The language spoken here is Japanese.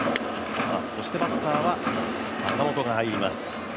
そしてバッターは坂本が入ります。